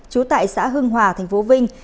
trú tại xã hương hòa thành phố vinh